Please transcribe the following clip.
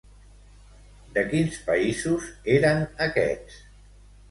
De quins països eren aquests?